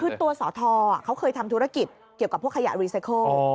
คือตัวสอทอเขาเคยทำธุรกิจเกี่ยวกับพวกขยะรีไซเคิล